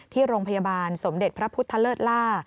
ที่โรงพยาบาลสมเด็จพระพุทธเลิศล่า